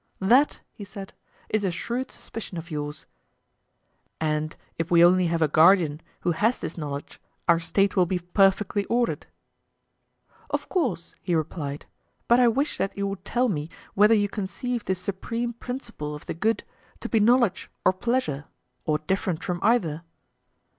That, he said, is a shrewd suspicion of yours. And if we only have a guardian who has this knowledge our State will be perfectly ordered? Of course, he replied; but I wish that you would tell me whether you conceive this supreme principle of the good to be knowledge or pleasure, or different from either?